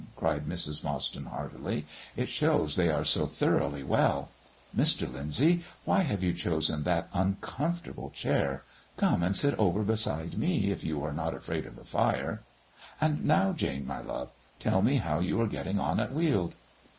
cried Mrs. Mostyn heartily; "it shows they are so thoroughly well. Mr. Lyndsay, why have you chosen that uncomfortable chair? Come and sit over beside me, if you are not afraid of the fire. And now, Jane, my love, tell me how you are getting on at Weald."